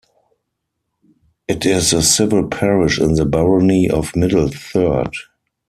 It is a civil parish in the barony of Middle Third.